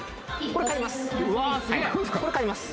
これ買います